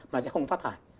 mà sẽ không phát thải